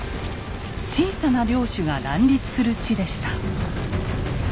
小さな領主が乱立する地でした。